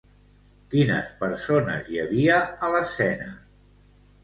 Quines persones hi havia a l'escena?